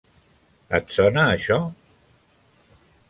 Et sona això?